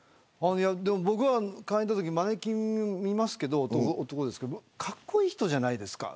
僕は買いに行ったときマネキン見ますけど男ですけどかっこいい人じゃないですか。